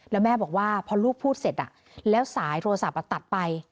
แล้วแม่บอกว่าพอลูกพูดเสร็จแล้วสายโทรศัพท์ตัดไป